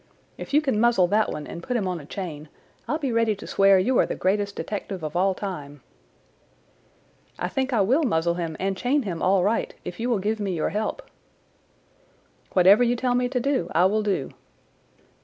If you can muzzle that one and put him on a chain I'll be ready to swear you are the greatest detective of all time." "I think I will muzzle him and chain him all right if you will give me your help." "Whatever you tell me to do I will do."